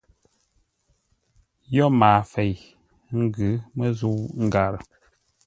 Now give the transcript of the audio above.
Yo maafei, ngʉ̌ məzə̂u ngârə.